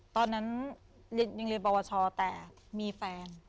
ตอนนั้นยังเรียนปวชแต่มีแฟน